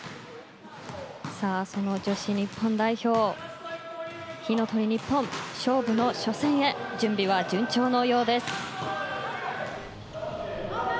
その女子日本代表火の鳥ニッポン勝負の初戦へ準備は順調のようです。